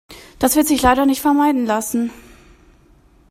Das wird sich leider nicht vermeiden lassen.